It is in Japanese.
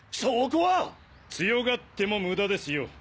強がっても無駄ですよ。